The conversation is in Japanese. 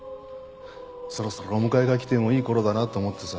そろそろお迎えが来てもいい頃だなと思ってさ。